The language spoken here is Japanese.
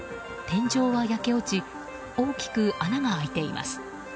天井は焼け落ち大きく穴が開いています。